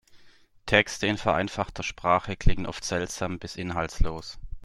Texte in vereinfachter Sprache klingen oft seltsam bis inhaltslos.